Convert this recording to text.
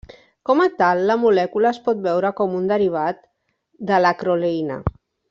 Com a tal, la molècula es pot veure com un derivat de l'acroleïna.